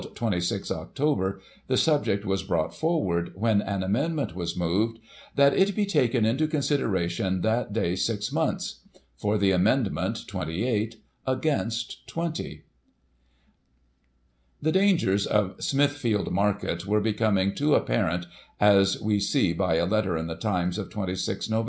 303 ditch, held 26 Oct, the subject was brought forward, when an amendment was moved " that it be taken into considera tion that day six months." For the amendment, 28 ; against 20! The dangers of Smithfield Market were becoming too ap parent, as we see by a letter in the Times of 26 Nov.